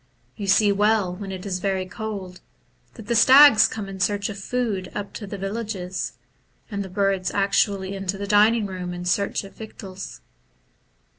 You see well, when it is very cold, that the stags come in search of food up to the villages, and the hirds actu ally into the dining room in search of victuals.